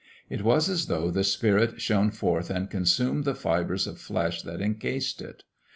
It was as though the spirit shone forth and consumed the fibres of flesh that incased it.